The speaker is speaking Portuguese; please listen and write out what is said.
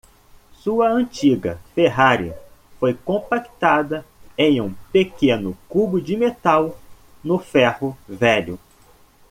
Sua antiga Ferrari foi compactada em um pequeno cubo de metal no ferro-velho.